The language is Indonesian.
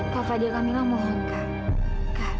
kak fadil camilla mohon kak